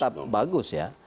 tetap bagus ya